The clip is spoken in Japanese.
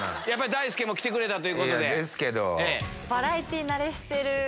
大輔も来てくれたということで。ですけど。